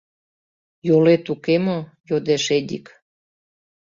— Йолет уке мо? — йодеш Эдик.